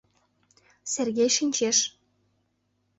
— Сергей шинчеш.